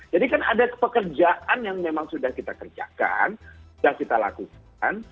jadi kan ada pekerjaan yang memang sudah kita kerjakan sudah kita lakukan